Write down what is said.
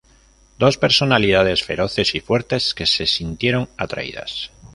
Dos personalidades feroces y fuertes que se sintieron atraídas.